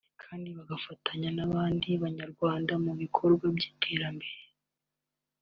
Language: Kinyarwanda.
kandi bagafatanya n’abandi banyarwanda mu bikorwa by’iterambere